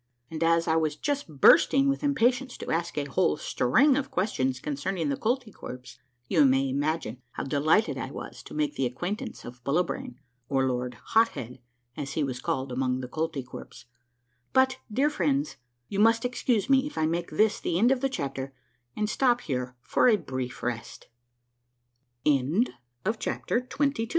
As I was just bursting with impatience to ask a whole string of questions concerning the Koltykwerps, you may imagine how delighted I was to make the acquaintance of Bullibrain, or Lord Hot Head as he was called among the Koltykwerps; but, dear friends, you must excuse me if I make this the end of a chapter and sto